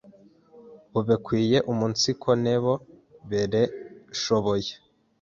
bubekwiye umunsiko nebo bereshoboye.